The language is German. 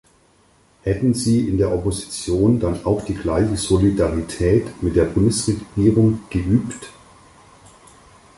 Hätten Sie in der Opposition dann auch die gleiche Solidarität mit der Bundesregierung geübt?